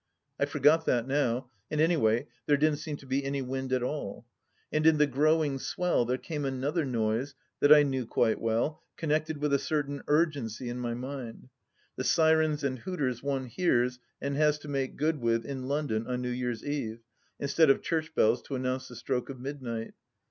I forgot that now, and any way, there didn't seem to be any wind at all. ... And in the growing swell there came another noise that I knew quite well, connected with a certain urgency in my mind : the sirens and hooters one hears and has to make good with in London on New Year's Eve, instead of church bells, to announce the stroke of midnight.